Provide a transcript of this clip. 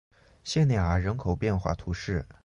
谢涅人口变化图示